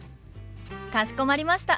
かしこまりました。